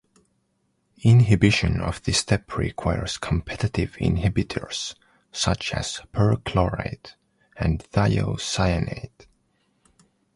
Inhibition of this step requires competitive inhibitors such as perchlorate and thiocyanate.